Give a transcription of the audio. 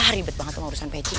ribet banget urusan peci